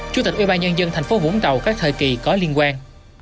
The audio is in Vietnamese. chủ tịch ủy ban nhân dân thành phố vũng tàu các thời kỳ có liên quan